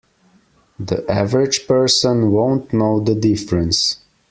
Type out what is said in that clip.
The average person won't know the difference.